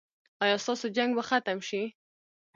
ایا ستاسو جنګ به ختم شي؟